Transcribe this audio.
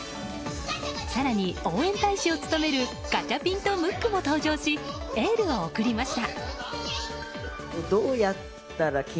更に、応援大使を務めるガチャピンとムックも登場しエールを送りました。